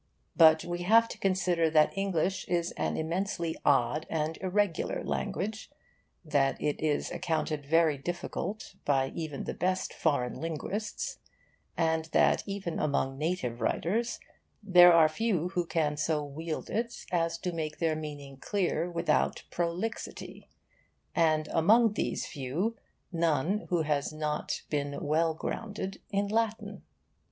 But we have to consider that English is an immensely odd and irregular language, that it is accounted very difficult by even the best foreign linguists, and that even among native writers there are few who can so wield it as to make their meaning clear without prolixity and among these few none who has not been well grounded in Latin.